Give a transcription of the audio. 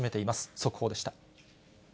速報でした。